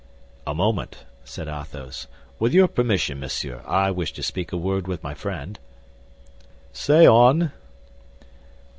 "A moment," said Athos; "with your permission, monsieur, I wish to speak a word with my friend." "Say on."